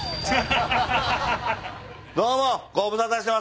どうもご無沙汰してます